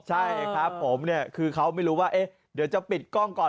ใช่ครับผมเนี่ยคือเขาไม่รู้ว่าเดี๋ยวจะปิดกล้องก่อน